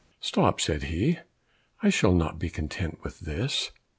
"Stop," said he, "I shall not be content with this.